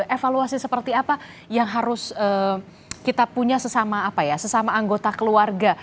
evaluasi seperti apa yang harus kita punya sesama anggota keluarga